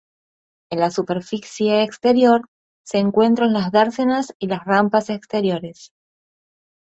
En la superficie exterior se encuentran las dársenas y las rampas exteriores.